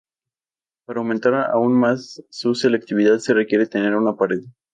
Para aumentar aún más su selectividad, se requiere tener una pared.